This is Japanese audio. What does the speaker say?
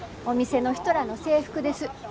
お店の人らの制服です。